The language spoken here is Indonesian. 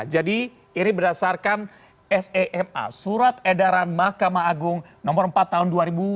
jadi ini berdasarkan sema surat edaran mahkamah agung nomor empat tahun dua ribu sebelas